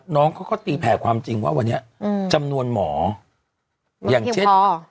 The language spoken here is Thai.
น้องเขาก็ตีแผลความจริงว่าวันนี้อืมจำนวนหมออย่างเช่นไม่เพียงพอ